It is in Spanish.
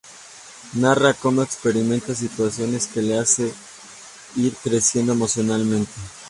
Narra cómo experimenta situaciones que le hacen ir creciendo emocionalmente.